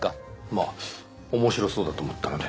まあ面白そうだと思ったので。